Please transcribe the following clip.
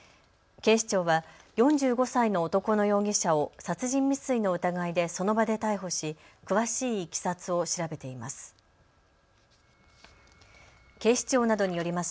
警視庁は４５歳の男の容疑者を殺人未遂の疑いでその場で逮捕し詳しいいきさつを調べています。